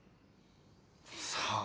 さあ？